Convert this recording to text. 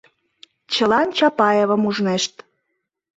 Чылан Чапаевым ужнешт.